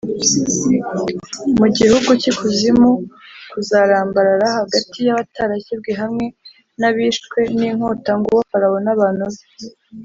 mu gihugu cy ikuzimu k Uzarambarara hagati y abatarakebwe hamwe n abishwe n inkota Nguwo Farawo n abantu be